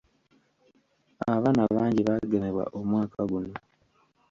Abaana bangi baagemebwa omwaka guno.